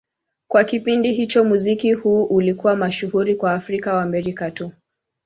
Kwa kipindi hicho, muziki huu ulikuwa mashuhuri kwa Waafrika-Waamerika tu.